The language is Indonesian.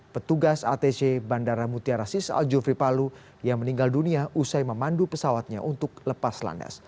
petugas atc bandara mutiara sis al jufri palu yang meninggal dunia usai memandu pesawatnya untuk lepas landas